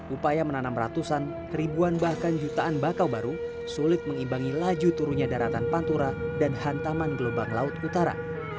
upaya menanam ratusan ribuan bahkan jutaan bakau baru sulit mengimbangi laju turunnya daratan pantura dan hantaman gelombang laut utara